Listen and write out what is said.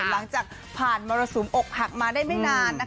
หลังจากผ่านมรสุมอกหักมาได้ไม่นาน